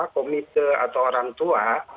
komite atau orang tua